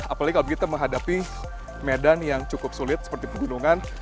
apalagi kalau kita menghadapi medan yang cukup sulit seperti pegunungan